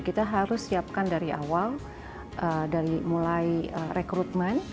kita harus siapkan dari awal dari mulai rekrutmen